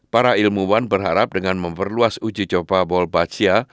para ilmuwan berharap dengan memperluas uji coba bolbachia